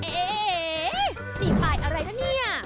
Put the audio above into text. เอ๊ะนี่ป้ายอะไรนะเนี่ย